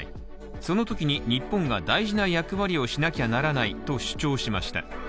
そのときに日本が大事な役割をしなきゃならないと主張しました。